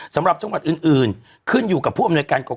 สำหรับจังหวัดอื่นขึ้นอยู่กับผู้อำนวยการกรก